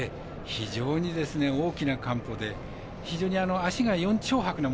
非常に大きな完歩で非常に脚が白く。